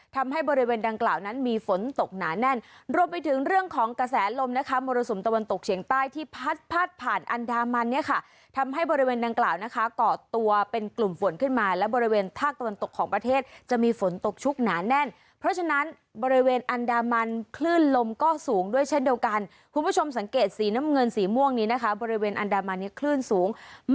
ทำให้บริเวณดังกล่าวนั้นมีฝนตกหนาแน่นรวมไปถึงเรื่องของกระแสลมรสมตะวันตกเชียงใต้ที่พาดผ่านอันดามันเนี่ยค่ะทำให้บริเวณดังกล่าวนะคะก่อตัวเป็นกลุ่มฝนขึ้นมาแล้วบริเวณท่ากตะวันตกของประเทศจะมีฝนตกชุกหนาแน่นเพราะฉะนั้นบริเวณอันดามันคลื่นลมก็สูงด้วยเช่นเดียวกัน